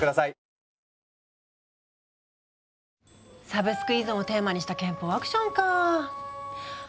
サブスク依存をテーマにした拳法アクションかぁ。